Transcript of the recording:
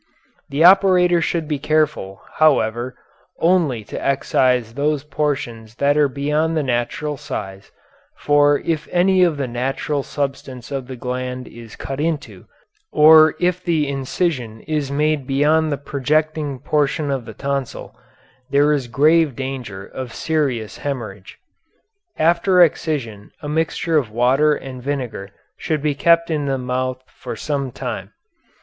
The operator should be careful, however, only to excise those portions that are beyond the natural size, for if any of the natural substance of the gland is cut into, or if the incision is made beyond the projecting portion of the tonsil, there is grave danger of serious hemorrhage. After excision a mixture of water and vinegar should be kept in the mouth for some time.